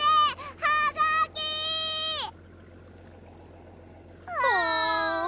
はがき！あ。